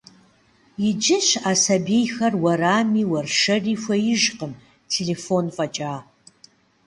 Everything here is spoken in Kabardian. Иджы щыӏэ сабийхэр уэрами уэршэри хуеижкъым, телефон фӏэкӏа.